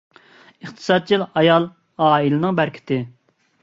ئىقتىسادچىل ئايال — ئائىلىنىڭ بەرىكىتى.